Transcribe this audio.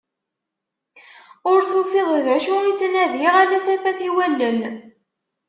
Ur tufiḍ d acu i ttnadiɣ, ala tafat i wallen.